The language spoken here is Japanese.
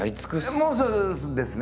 もうですね！